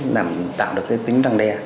làm tạo được tính răng đe